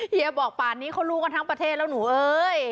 เฮียบอกป่านนี้เขารู้กันทั้งประเทศแล้วหนูเอ้ย